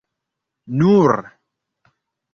nur